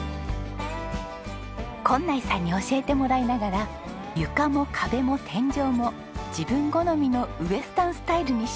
根内さんに教えてもらいながら床も壁も天井も自分好みのウエスタンスタイルに仕上げたんです。